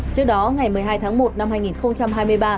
trước đó ngày một mươi hai tháng một năm hai nghìn hai mươi ba